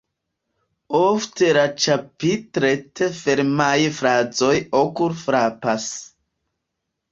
Ofte la ĉapitret-fermaj frazoj okul-frapas.